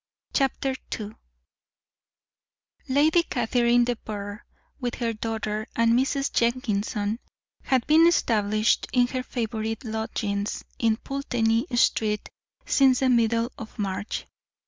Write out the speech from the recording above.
Chapter II Lady Catherine de Bourgh, with her daughter and Mrs. Jenkinson, had been established in her favourite lodgings in Pulteney Street since the middle of March.